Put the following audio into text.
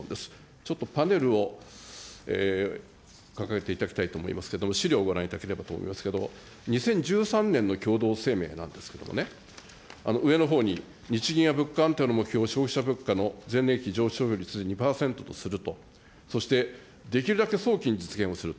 ちょっとパネルを掲げていただきたいと思いますけれども、資料ご覧いただければと思いますけれども、２０１３年の共同声明なんですけれどもね、上のほうに、日銀や物価安定の目標を消費者物価の前年比上昇率２％とすると、そしてできるだけ早期に実現をすると。